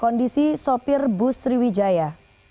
kondisi sopir bu sriwijaya